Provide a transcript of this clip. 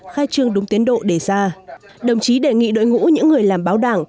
khai trương đúng tiến độ đề ra đồng chí đề nghị đội ngũ những người làm báo đảng